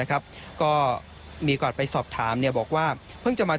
ก็มีกว่าไปสอบถามบอกว่าเพิ่งจะมาถึง